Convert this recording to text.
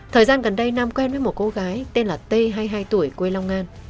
thời gian gần đây nam quen với một cô gái tên là t hai mươi hai tuổi quê long an